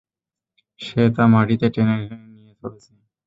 সে তা মাটিতে টেনে টেনে নিয়ে চলছে।